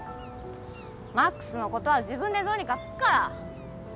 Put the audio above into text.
魔苦須のことは自分でどうにかすっから。